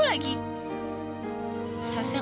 kenapa aku harus timbulin lagi